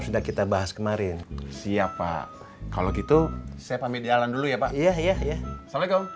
sudah kita bahas kemarin siapa kalau gitu saya panggil jalan dulu ya pak iya ya assalamualaikum